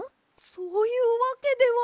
そういうわけでは。